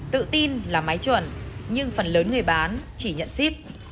tự tin là máy chuẩn nhưng phần lớn người bán chỉ nhận ship